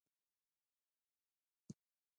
سره صلیب د حماس لخوا.